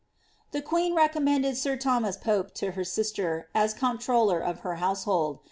The queen recommended sir Thomas Pope to her sinter, as eoiuplt j iToIler of her household.